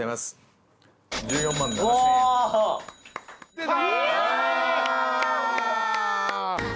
出た！